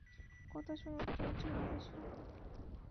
কথা শোনো, টিমে চলে এসো।